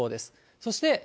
そして。